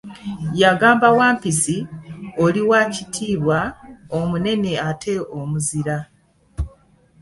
Yagamba Wampisi, oli wakitiibwa, omunene ate omuzira.